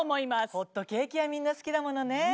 ホットケーキはみんな好きだものね。